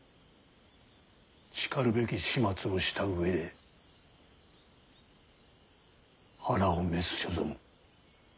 しかるべき始末をした上で腹を召す所存。